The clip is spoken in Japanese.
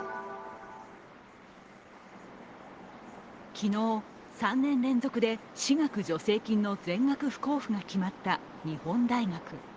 昨日３年連続で私学助成金の全額不交付が決まった日本大学。